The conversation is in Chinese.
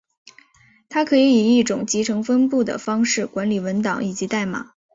它可以以一种集成分布的方式管理文档以及代码。